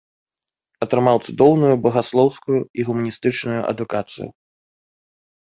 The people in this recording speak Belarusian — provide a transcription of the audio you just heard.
Атрымаў цудоўную багаслоўскую і гуманістычную адукацыю.